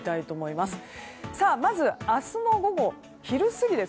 まず、明日の午後昼過ぎです。